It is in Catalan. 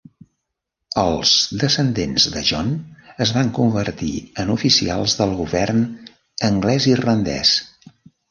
Els descendents de John es van convertir en oficials del govern anglès-irlandès.